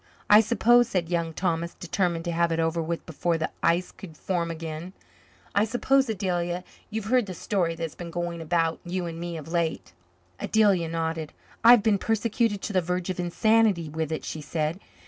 "I suppose," said Young Thomas, determined to have it over with before the ice could form again, "I suppose, Adelia, you've heard the story that's been going about you and me of late?" Adelia nodded. "I've been persecuted to the verge of insanity with it," she said.